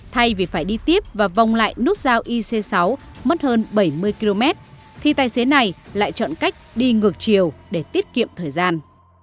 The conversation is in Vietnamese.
thay vì phải đi tiếp và vòng lại nút giao ic sáu mất hơn bảy mươi km thì tài xế này lại chọn cách đi ngược chiều để tiết kiệm thời gian